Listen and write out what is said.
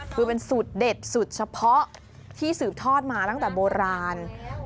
คือเป็นสูตรเด็ดสูตรเฉพาะที่สืบทอดมาตั้งแต่โบราณ